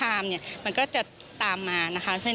อาทิตย์ใหม่ของเทศได้ไปมาจากอันที่๑